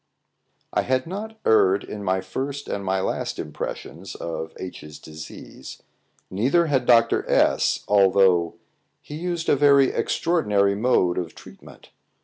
I had not erred in my first and my last impressions of H 's disease, neither had Dr. S although he used a very extraordinary mode of treatment.